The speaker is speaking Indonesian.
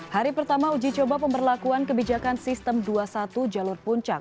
hari pertama uji coba pemberlakuan kebijakan sistem dua puluh satu jalur puncak